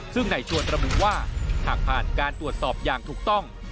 ซึ่งในชวนระบุว่าหากผ่านการตรวจสอบอย่างถูกต้อง